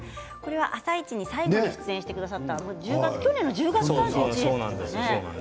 「あさイチ」に最後に出演してくださった去年の１０月ですね。